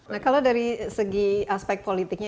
nah kalau dari segi aspek politiknya